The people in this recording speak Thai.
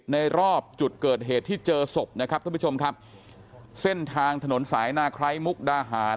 ในรอบจุดเกิดเหตุที่เจอศพนะครับท่านผู้ชมครับเส้นทางถนนสายนาไคร้มุกดาหาร